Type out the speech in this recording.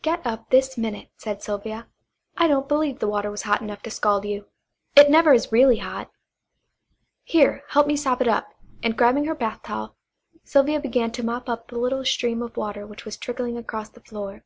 "Get up this minute," said Sylvia. "I don't believe the water was hot enough to scald you; it never is really hot. Here, help me sop it up," and grabbing her bath towel Sylvia began to mop up the little stream of water which was trickling across the floor.